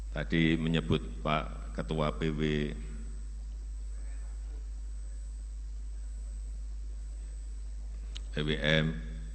tadi menyebut pak ketua pwm